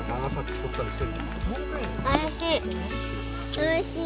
おいしい。